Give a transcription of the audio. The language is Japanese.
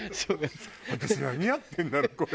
「私何やってんだろう？これ」。